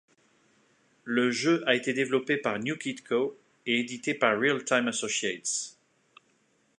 Le jeu a été développé par NewKidCo et édité par Realtime Associates.